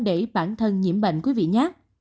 để bản thân nhiễm bệnh quý vị nhé